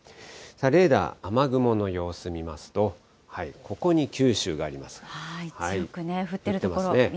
レーダー、雨雲の様子見ますと、ここに九州があります。